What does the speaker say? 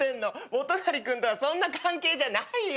モトナリ君とはそんな関係じゃないよ。